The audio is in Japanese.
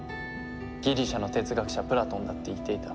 ギリシャの哲学者プラトンだって言っていた。